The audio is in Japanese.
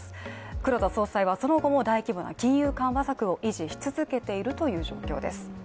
黒田総裁はその後も大規模な金融緩和策を維持し続けているという状況です